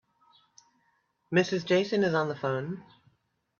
Mrs. Jason is on the phone.